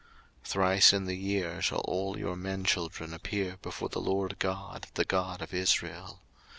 02:034:023 Thrice in the year shall all your menchildren appear before the LORD God, the God of Israel.